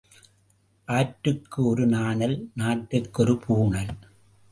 ஆற்றுக்கு ஒரு நாணல் நாட்டுக்கு ஒரு பூணல்.